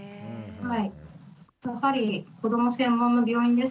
はい。